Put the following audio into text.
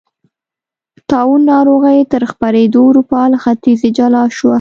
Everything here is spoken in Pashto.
طاعون ناروغۍ تر خپرېدو اروپا له ختیځې جلا شوه.